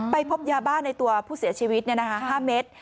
พบยาบ้าในตัวผู้เสียชีวิต๕เมตร